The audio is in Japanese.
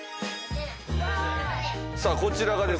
さあこちらがですね